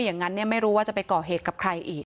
อย่างนั้นไม่รู้ว่าจะไปก่อเหตุกับใครอีก